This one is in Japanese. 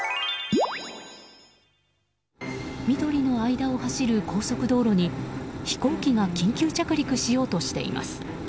緑の間を走る高速道路に飛行機が緊急着陸しようとしています。